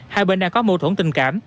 hai bên đã có mâu thuẫn tình cảm